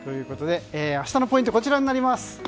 明日のポイントはこちらになります。